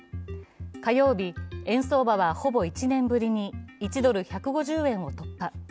火曜日、円相場はほぼ１年ぶりに１ドル＝１５０円を突破。